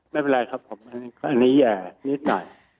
ไม่เป็นไรครับผมอันนี้แย่นิดหน่อย